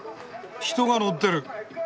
人が乗ってる。